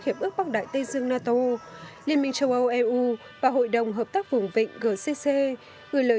hiệp ước bắc đại tây dương nato liên minh châu âu eu và hội đồng hợp tác vùng vịnh gcc gửi lời